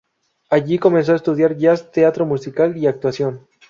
Allí comenzó a estudiar jazz, teatro musical, y actuación.